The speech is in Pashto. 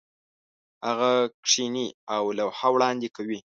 هغه کښېني او لوحه وړاندې کوي.